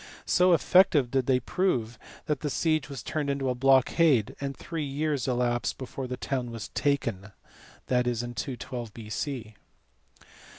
So effective did they prove that the siege was turned into a blockade, and three years elapsed before the town was taken (212 B.C.).